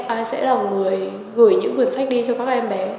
ai sẽ là người gửi những cuốn sách đi cho các em bé